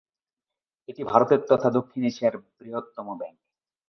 এটি ভারতের তথা দক্ষিণ এশিয়ার বৃহত্তম ব্যাঙ্ক।